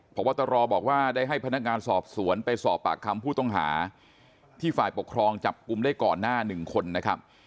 พบตรบอกว่าได้ให้พนักงานสอบสวนไปสอบปากคำผู้ต้องหาที่ฝ่ายปกครองจับกลุ่มได้ก่อนหน้าหนึ่งคนนะครับ